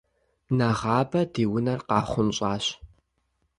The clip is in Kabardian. Нэгъабэ ди унэр къахъунщӏащ.